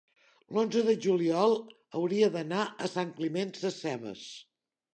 l'onze de juliol hauria d'anar a Sant Climent Sescebes.